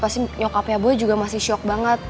pasti nyokapnya gue juga masih shock banget